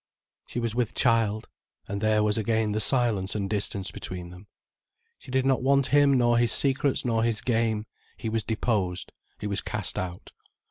She was with child, and there was again the silence and distance between them. She did not want him nor his secrets nor his game, he was deposed, he was cast out.